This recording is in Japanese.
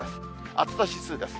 暑さ指数です。